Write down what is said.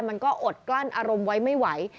มันก็อดกลั้นอารมณ์ไว้ไม่ไหว